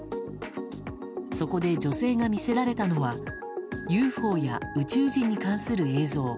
そこで女性が見せられたのはＵＦＯや宇宙人に関する映像。